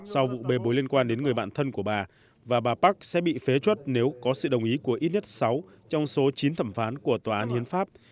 sau vụ bê bối liên quan đến người bạn thân của bà và bà park sẽ bị phế chuất nếu có sự đồng ý của ít nhất sáu trong số chín thẩm phán của tòa án hiến pháp